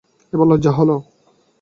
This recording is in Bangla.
এবার লজ্জা হল।